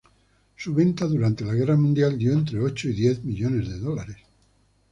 Su venta durante la Guerra Mundial dio entre ocho y diez millones de dólares.